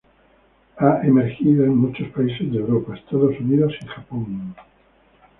Ha emergido en muchos países de Europa, Estados Unidos y Japón.